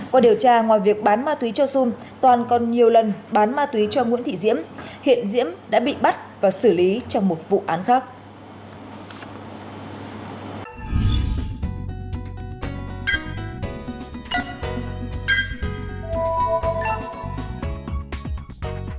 qua điều tra ngoài việc bán ma túy cho dung toàn còn nhiều lần bán ma túy cho nguyễn thị diễm hiện diễm đã bị bắt và xử lý trong một vụ án khác